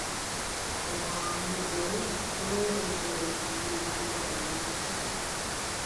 Waandu ɗo jooɗi dow lekki fajiri cup.